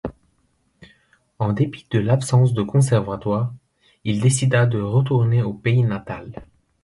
En dépit de l'absence de Conservatoire, il décida de retourner au pays natal.